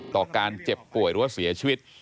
ต่อการเจ็บป่วยหรือว่าเสียชีวิต